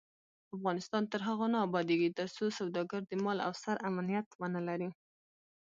افغانستان تر هغو نه ابادیږي، ترڅو سوداګر د مال او سر امنیت ونلري.